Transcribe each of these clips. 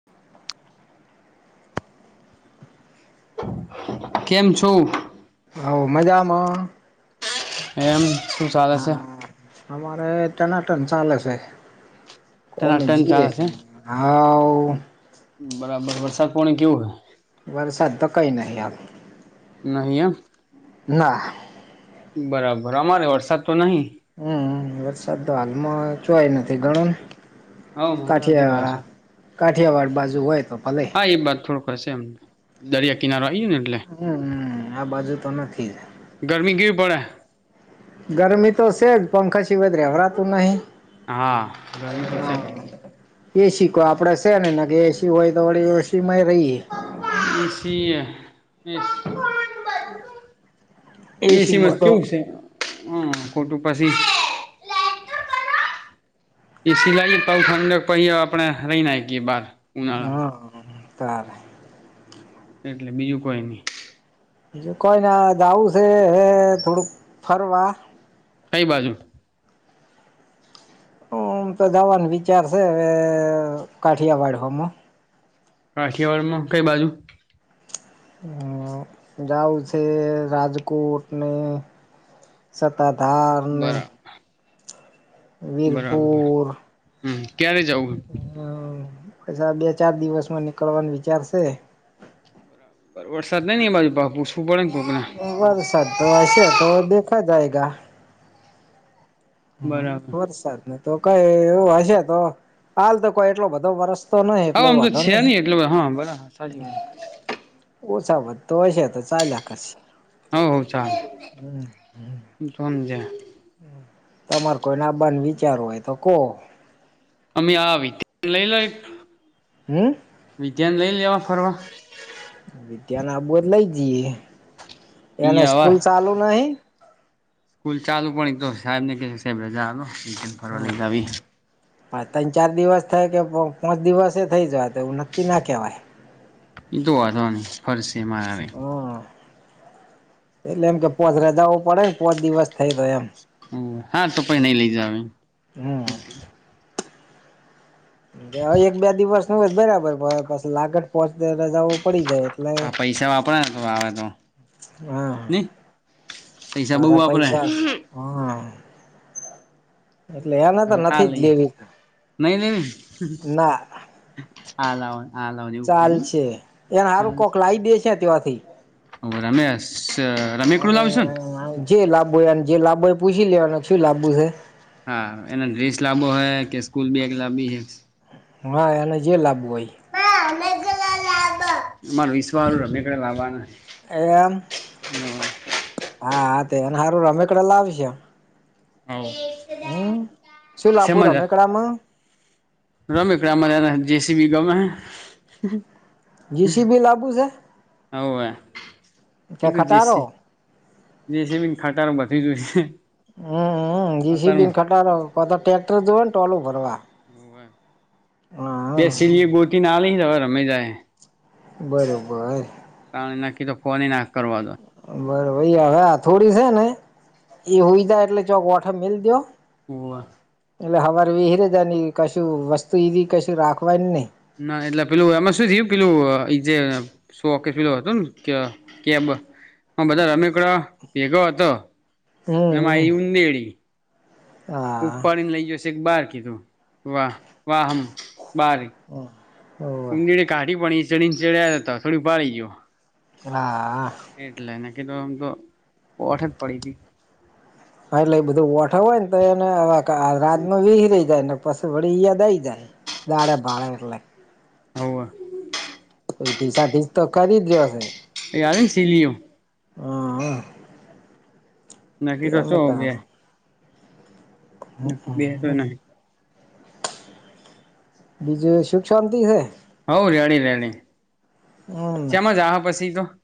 [inaudible] કેમ છો? હઓ મજામાં. એમ શું ચાલે છે? હા અમારે ટનાટન ચાલે છે. અમે ટનાટન જીએ ચાલે છે અને આવઉ. બરાબર. વરસાદ પોણી કેવું હૈ? વરસાદ તો કઈ નહી આવ નહી હયા? ના. બરાબર અમારે વરસાદ તો નહી. હમ વરસાદ તો, હાલમાં જોય નથી ગણો. હવ મને નથી કાઠિયા પાછું કાઠિયાવાડ બાજુ હોય તો ભલે. હા એ વાત થો. એમ દરિયા કિનારો આયો ને એટલે. હમ્મ આ બાજુ તો નથી ગરમી કેવી પડે. ગરમી તો છેજ પંખા સીવધ રેવરાતું નહી. હા ગરમી તો છે. હા એસી કો આપડે છે નેને કે એસી હોય તો વડી એસીમાં રહીએ એસી એ [unintelligible] એસી એસીમાં માં જ તો કેવું છે, હમ્મ ખોટું પાછી [unintelligible] તાર એટલે બીજું કોઈ નહી. હજ કોઈને દ જાવું છે થોડુંક ફરવા કઈ બાજુ ઓમ તો જાવાનું વિચાર છે, કાઠિયાવાડ હમો કાઠિયાવાડમાં કઈ બાજુ હમ્મ જાઉ છે રાજકોટ ને, સત્તાધારને, બરાબર બરાબર વીરપુર હમ્મ, ક્યારે જવું. હ પછા બે ચાર દિવસમાં નીકળવાનું વિચાર છે. પર વરસાદ નહીં અ મારી પાહે પૂછું પડે કોકને વરસાદ તો હશે તો દેખા જાયેગા બરાબર હ વરસાદ નને તો કઈ એવું હશે તો હાલ તો કોઈ એટલો બધો વરસ તો નહી હા એટલે આમ તો વાંધો છે નહી. એટલે હા બરાબર સાચી વાત ઓછા વધતો હશે તો ચાલ્યા કરશે. હ હ ચાલે તમાર કોઈ નાબાન વિચાર હોય તો કોહો. અમે આ વિધ્યા લઈ લ, હમ વિધ્યાન લઈ લેવા ફરવા. વિદ્યા ના આવુ હોયે લઈ જઈએ એને અહિયાં આવા સ્કૂલ ચાલુ નહિ. સ્કૂલ ચાલુ પ તો સાહેબ ને કે સાહેબ રજા આલો ફરવા હા લઈ જાવી હા ત્રણ ચાર દિવસ થાય કે પાંચ દિવસે થઈ જાય તો એવું નક્કી ના કહેવાય. એ તો તોવાની ફર છે એ મા આવે. હમ એટલે એમ કે પોચ રજા પડે ને પોચ દિવસ થઈ તો એમ, હા તો પઈ નઈ લઈ જાવી. હમ્મ હવે એક બે દિવસનુ હોય બરાબર પછી લાગત પોચ દિ રજા પડી જાયલે હા પૈસા વાપરા તો આવે તો હા નને પૈસા બઉ પાછા વાપરે‌. પૈસા હા એટલે એને હ તો આ નથી જ લઈ, લેવી નહી નહી ના આલા ચાલ સે એસારું કોક લાવી દે છે તયાથી ઓ રમેશ રમેકોડું લાવસોને હ જે લાંબોયને જે લાબોય પૂછી લેવાનું શું લાબુ છે. હા એને ડ્રેસ લાવો હોય કે સ્કૂલ બેગ લાવી હે હા એને જે લાબવું હોય. [unintelligible] મારા વિશ્વા હારુ રમકડા લાવવાના હૈ. એ એમ હા તેને હારું રમેકડા લાવી સે [inaudible] હમ્મ શું લાબુ રમેકડામાં રમેકડામા જેસીબી ગમે જીસીબી લાબુ છે હવે કે ખટારો [unintelligible] જેસેબી ખટારા [unintelligible] હમજી સી બી [unintelligible] જો ને ટોલું ભરવા [inaudible] હા જે સી બી ગોટી [unintelligible] રમે જાય બરાબર કારણ નક્કી તો ફોને નાખ કરવા દો બરો ભાઈ હવે આ થોડી છે ને એ હોય થાય એટલે [unintelligible] મિલ દો હોવે એટલે હવારી [unintelligible] કશું વસ્તુ [unintelligible] કશું રાખવાય ને નહીં ના એટલે પેલું એમાં શું થયું પેલું એ જે [unintelligible] હમ [unintelligible] હા ઉપાડીને લઇ જશે એક બાર કીધું વાહ વાહ [unintelligible] હ હોવ [unintelligible] હા [unintelligible] [unintelligible] [unintelligible] હોવ [unintelligible] [unintelligible] હા નકી તો શું તેમ ગયા [unintelligible] બીજું સુખ શાંતિ હે હમ [unintelligible]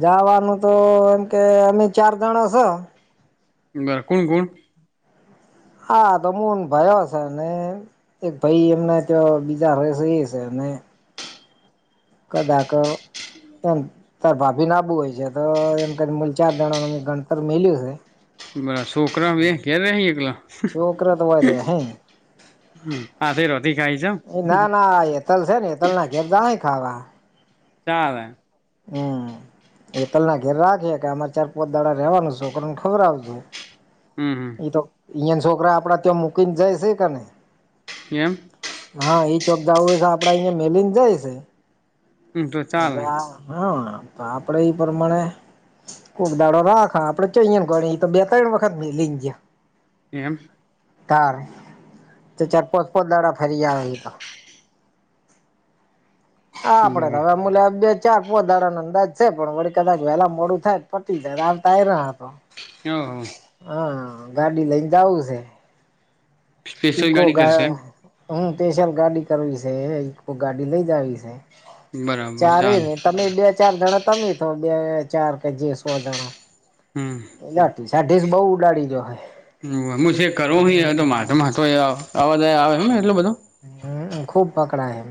જવાનું તો એમ કે અમે ચાર જણ સ [unintelligible] કોણ કોણ [unintelligible] એક ભાઈ અમને તો બીજા [unintelligible] કદાક [unintelligible] તારે ભાભી ના આબુ હોય છે તો એમ કરી મલ ચાર જણા ન ગણતર મેલ્યું છે [unintelligible] છોકરા તો હોય રે હે [unintelligible] [unintelligible] [unintelligible] ખાવા [unintelligible] હમ્મ હેતલ ના ઘેર રાખે કે અમારે ચાર પોચ દાડા રેવાનુંસ છોકરાને [unintelligible] હમ હમ એ તો અંયાના છોકરા આપડા ત્યાં મૂકીને જાય છે કે ને એમ હા ઈ ચોકદાવુંય તો આપડે અહિયાયા મેલીને જાય છે હમ તો ચાલે એટલે આ હા તો આપડે ઈ પ્રમાણે કોક દાડો રાખા આપડે ચઈ ગ તો બે ત્રણ વખત લઈને ગયા એમ તાર તો ચાર પાંચ પાચ દાડા ફરી જ આવે તો હ આપડે તો બરાબર હવે મુલા ચાર પો દાડાને અંદાજ છે પણ વળ કદાચ વહેલા મોડું થાય પટી જાય આવતા ના હતો હ હ હા હા ગાડી લઈને જાવું છે સ્પેશિયલ ઇકો ગાડી ગા કરશે એમ હું સ્પેશલ ગાડી કરવી છે ઈકો ગાડી લઇ જાવી છે બરાબર ચારે ચાલે ને તમે બે ચાર જણા તમે તો બે ચાર કે જે સો જણા હમ સાઢીસ બઉ ઉડાડી જો હ હ હું છે કરું હોહી તો માથે માથ આવા જ આવેને એટલો બધો હ ખૂબ પકડા એ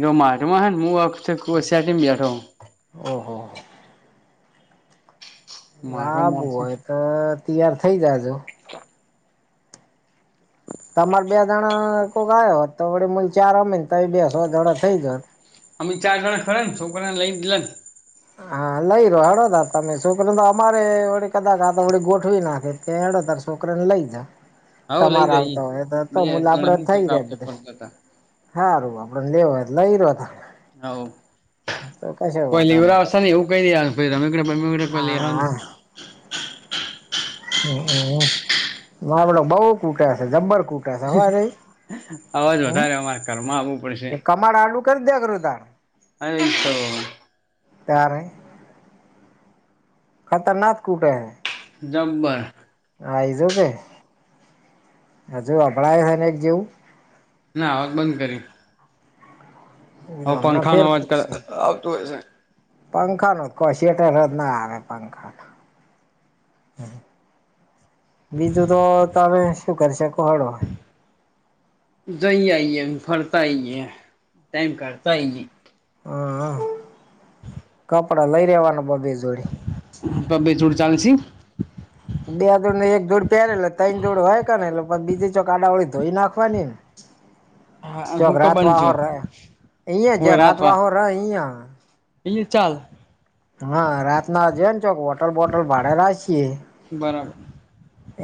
એનો માઢમાં મુું આ ક સેટીમ બેઠોહ ઓહ માટો લબું મોસે હોય તો તૈયાર થઇ જાજો હ તમારે બે જણા કોઈક ગ હોત તો વડ મલ ચાર અમે ને તો બે સો જણા થઈ જત અમે ચાર જણા ખરા ને છોકરાને લઈને હા લઈ રહો હડોદાર તમે શું કર તો અમારે કદાચ આ ગોઠવી નાખે હેડો છોકરા ને લઈ જા હવ લઈ તમારે જઈએ આવતા હોય તો તો બે હલ આપડે જણા હે થઈ ર આવતા બધે ફરતા હતા સારું આપડે લેવ લઈ રહ્યો તો કશ બીવરાવસે ને એવું કઈ રમકડા બમકડા કોઈ લેવા ને હા હ માડ બઉ કૂટે છે જબ્બર કુટ અવાજ વધારે અમારા ઘરમાં આવું એ કમાડ આલુ કરી દે કરું ત્યાં અને તો ત્યાર નુ ખતરનાક કૂટે હૈ જંમબર આઈજો કે હજુ અબળાય છે ને એક જેવું ના આવક બંધ કરી એ તો હવે હમણાં પંખાનો ફેર અવાજ ખૂબ કર છે આવતો હશે પંખા નું જ કો સિટર જ ના આવે પંખા બીજું તો તમે શું કરી શકો હળો જઈ આઈએ ફરતા આઈએ ટાઈમ કાઢતા ઈ હા કપડા લઈ રેવાના બધી જોડી પ બેે જોડી ચાલશે બે જોડ ને એક જોડ પહેરે એટલે ત્રણ જોડ હોય કે ને એટલે બીજી ચોક આડા અવળી ધોઈ નાખવાની ચોક હું ક રાત બંધ છો વાહોર અહયા હવે જ રાત વાત વાહોર ર અહયા એ ચાલ હા રાત ના જેે ને ચોક વોટર બોટલ ભાડે રાખીએ બરાબર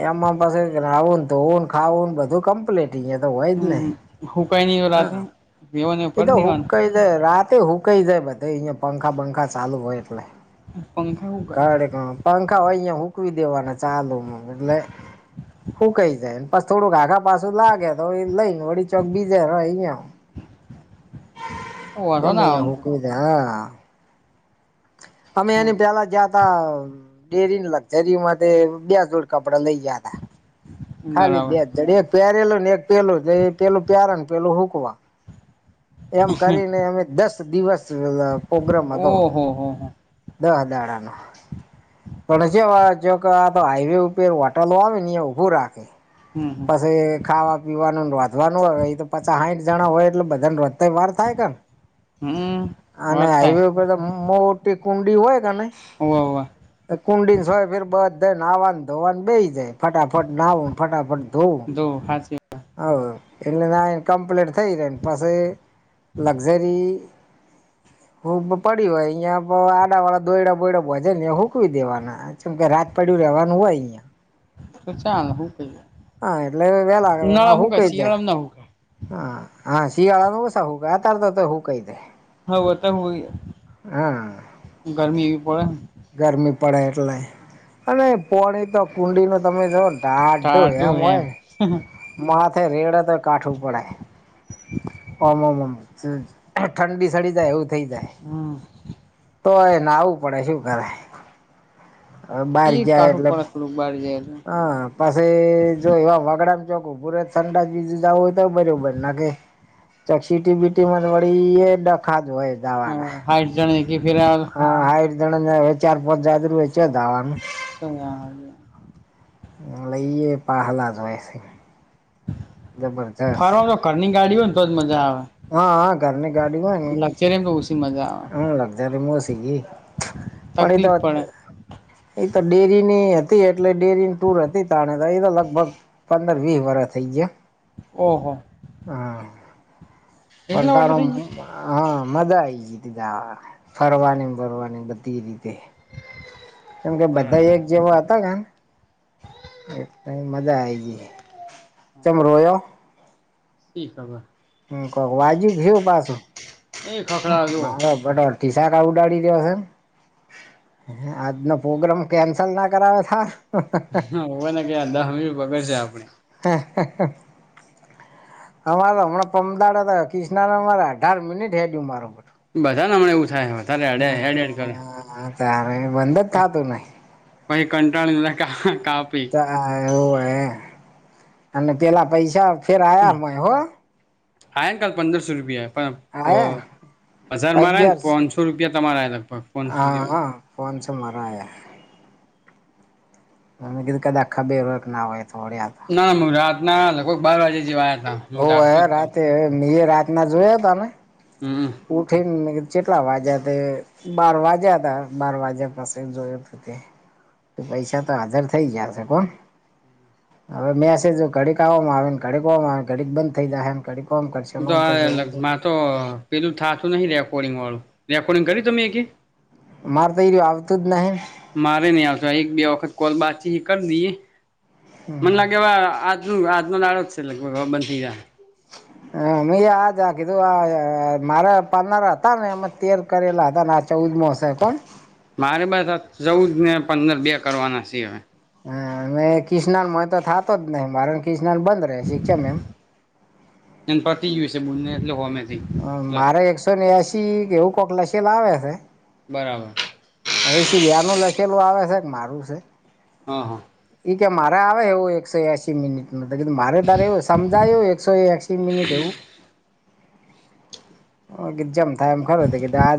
એમાં પછી નાવું ને ધોવું ખાવું ને બધું કમ્પ્લીટ એને અ હોય જ ને હું કઈ ની હ રાતે હા બેવને એ ભર તો દેવાનું હુકાઈ જાય રાતે હુકાઈ જાય બધે અયા પંખા પંખા ચાલુ હોય એટલે પંખા હોગ હ પંખા હો અહં હૂકવી દેવાના ચાલુ એટલે શું કઈ જાયને થોડું આઘા પાછું લાગે તો એ લઈને વડી ચોક બીજે રયા વાંધો ના ગમે યા આવે આમ તો સુકવી દે હા અમે અચ્છા એની પેલા જ હા ડેરી લક્ઝરીમાં બે જોડ કપડા લઈ ગયા ત ખાલી બરાબર બે જ જણ એક પહેરેલ ને એક પેલું જે પેલું પ્યારન પેલું હુકમ એમ કરીને અમે દસ દિવસ પ્રોગ્રામમાં હતો. હ હો હ. દહ દાડા નો [inaudible] પણ જે જો આ હાઈવે ઉપર હોટલો આવે ને એ ઉભું રાખે. હમ હમ પછી ખાવા પીવાનું વાંધવાનું હોય એ તો પાા સાઠ જણા હોય એટલે બધાને રતા વાર થાય કે ને- હમ - અને વાત થાય હાઈવે ઉપર તો મોટી કુંડી હોય કે ન- - હો કુંડી સ હોય ફેર બધ નાહવા ધોવાનું બે જાય ફટાફટ નાહવ ફટાફટ- - ઘોવુ. તો હા હ એલે ના કંપલેન્ટ- - થઈ રહેમ પાસે લક્ઝરી- - હ પડી હોય અહિયાં આડા વાળા દોયડા બોયડા ભજે ને હૂકવી દેવાના. જેમ કે રાત પાડું ર રહેવાનું હોય અહિયા- - તો ચાલ હું- - હા એટલે વે લાગે એ હું કઈ જાય. ના હું ક હા હા શીિયાળનું ઉછા હુંક આ તાર હૂકઈ. હા હા ગરમી પડે. ગરમી પડે એટલે અને પોળ તો કુંડી ન તમે જોઓ ને- - ટાટું હેમ- - માથે રેડ તો કાઠું પડે ઓમમ. ઠંડી ચઢી જાય એવું થઈ જાય- - હા. તોયને આવવું પડે શું કરે બાર એ જાય કાઠું એટલે- પડે - થોડુંક બાર જાય. હા પાછી જો એવા વાગડામ ચોકું પરતંડાજું જવું હોય તો બરાબર નાખે- - ચ સીટી બીટી વળી એ ડખા જ હોય- - હ હાઈટ જણ ફેર- - હા હ જણા ચાર પાંચ જ વેચે દવાનું- - સવા. લઈએ પ હલા જો છે જબરજસ્ત ફરવા તો ઘરની ગાડી હોય ને તોજ મજા આવે. હા હા ઘરની ગાડી હોય ને લક્ઝરીમ તો ઓછી મજા આવે લગ્ઝરી મો શિર્ડી પણ એ તો તકલીફ વાત પડે એ તો ડેરી ની હતી. હતી એટલે ડેરીની ટુર હતી તણે એ તો લગભગ પંદર વીસ વર્ષ થઇ ગયા. ઓ હો એટલા વાટલા થઈ પરધાર- - હા મજા આવીઈ ગતીીા ફરવાની ફરવાની બધી રીતે. કેમ કે ગયા બધા બરાબર એક જેવા હતા કેને- - એક મજા આય જ ચમ રોયો? શિ ખબર- - હમ કઈ વાગ્યું કે હું પાસું. એ ખખડા જુઓ મારો બટોથીસાકાા ઉડાડી રહ્યો છે એમ? આજનો પ્રોગ્રામ કેન્સલ ના કરાવે તાર. હા હો ને કયા દહ વ્હી પગડશે આપે- - હ હ. અમારે તો હમણાં પમદાડ હતા કિષના મા અઢાર મિનિટ હે ગયું મારોર. બધાને હમણાં એવું થાય વધારેડ હેડેડ કરે. હા તારે બંધ જ ખાતું નહી પહી કંટાળીને કા કાપી જા હા એવુંય અને પેલા પૈસા ફેર આયાય હો. હા. કાલ પંદરસો રૂપિયા. પણ આયા પ હજાર મારા અગિયાર પાનસો. રૂપિયા તમારે લગભગ. પોનસો હા જેવા હા પોનસો મારા આયા. આનુ બિલ ખબે રખ ના હોય તોડડી આ. ના ના હું રાતના કોઈ બાર વાજે જવાયા હતા. ઓ હ રાતે મે એ રાતના જોયા તમે? હમ. ઉઠીને મે કીઘુ ચેટલા વાગયા તે. બાર વાજ્યા હતા. બાર વાજ્યા પાસે જોઈત તે. પૈસા તો હાજર થઇ જશે કોણ. હવે મેસે ઘડીકવામાં આવે ઘડીકવામાં આવે ઘડીક બંધ થઈ જાયડી. ફોમ તો કરમ કરશે. આ મા તો પેલું થાતું નહી રેકોર્ડિંગ વાળું. રેકોર્ડિંગ કર્યું તમે એકે મારે તો એ રીયુ આવતું જ નહીં. મારે નહી આવશે એક બે વખત કોલ બાચી કરી દઈ. મને લાગે હવે આ આ હાનો દાળો જ છે. લગભગ બંધ થઈ જા હ મે આ જા કીધું આ મારા પનારા હતા ને એમાં તેર કરેલા હતા ના ચઉદમોશે કોણ. મારે બસજ ચોદ ને પંદર બે કરવાના છે.. હા હવે કિસનાન માં તો થતો જ નહી મારે કિસનાન બંધ રહે. શિક્ષણ એમ. એ ને પતી ગયુ છે બને એટલે હોમે. મારે એકસો નેએસી એવું કોકલાશી લાવે છે. બરાબર. હવેછી આનું લખેલું આવે છે મારું છે. હા હા. ઈ કે મારે આવે એવું એકસો એસી મિનિટ ન મારે. અત્યારે સમજાયો એકસો એસી મિનિટ એવું. હ ગી જેમ થાય એમ ખરું ગધા.